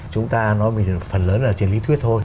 chúng ta nói phần lớn là trên lý thuyết thôi